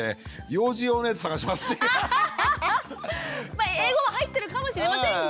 まあ英語は入ってるかもしれませんが。